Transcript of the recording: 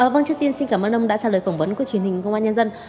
vâng trước tiên xin cảm ơn ông đã trả lời phỏng vấn của truyền hình công an nhân dân